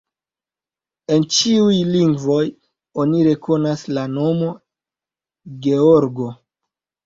En ĉiuj lingvoj oni rekonas la nomo: Georgo.